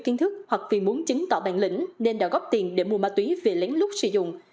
kiến thức hoặc vì muốn chứng tỏ bản lĩnh nên đã góp tiền để mua ma túy về lén lút sử dụng